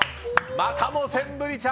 またもセンブリ茶。